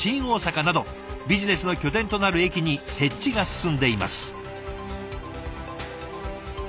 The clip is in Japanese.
大阪などビジネスの拠点となる駅に設置が進んでいます。